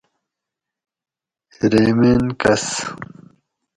ریمین کس